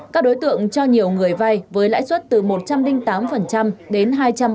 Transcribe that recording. các đối tượng cho nhiều người vay với lãi suất từ một trăm linh tám đến hai trăm năm mươi